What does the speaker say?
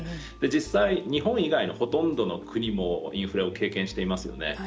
実際、日本以外のほとんどの国もインフレを経験していますよね。